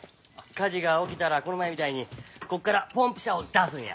火事が起きたらこの前みたいにここからポンプ車を出すんや。